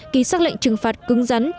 ký xác lệnh trừng phạt cứng rắn